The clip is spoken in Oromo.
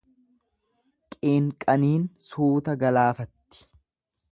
Qiinqaniin suuta galaafatti.